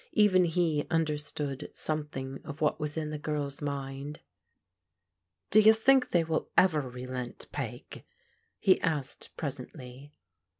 Even he tmderstood something of what was in the girl's mind. " Do you think they will ever relent. Peg? " he asked, presently.